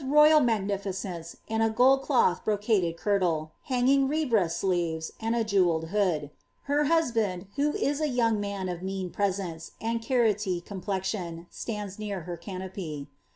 lyal nngu ficence m a gold cloth brocaded kirtle, hs^ng re~hras sleere^ aiKl i jewelled bo<^ ; her husband, who is a young man of mean piescnci^ and carroty compl^on, stands near her canopy.